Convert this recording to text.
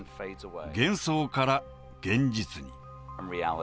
幻想から現実に。